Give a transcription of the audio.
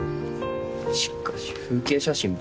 しかし風景写真ばっか。